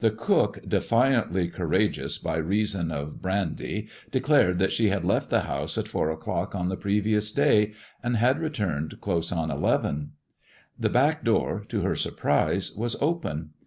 The cook (defiantly courageous by reason of brandy) declared that she had left the house at four o'clock on the previous day, and had returned close on eleven. The back door (to her surprise) was open.